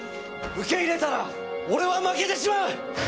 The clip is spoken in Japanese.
受け入れたら俺は負けてしまう！